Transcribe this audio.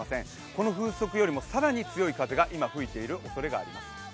この風速よりも更に強い風が今吹いている可能性があります。